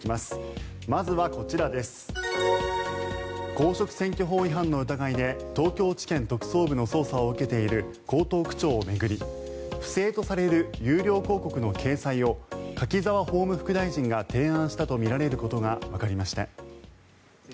公職選挙法違反の疑いで東京地検特捜部の捜査を受けている江東区長を巡り不正とされる有料広告の掲載を柿沢法務副大臣が提案したとみられることがわかりました。